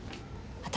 私